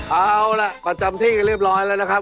เอาล่ะประจำที่กันเรียบร้อยแล้วนะครับ